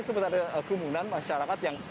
sebetulnya ada keumuman masyarakat yang